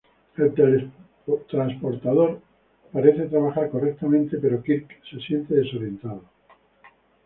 El teletransportador parece trabajar correctamente pero Kirk se siente desorientado.